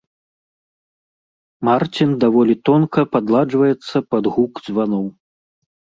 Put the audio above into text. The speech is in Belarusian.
Марцін даволі тонка падладжваецца пад гук званоў.